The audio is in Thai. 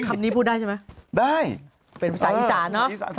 คำนี้พูดได้ใช่ไหมเป็นภาษาอีกศาสตร์เนอะได้ภาษาอีกศาสตร์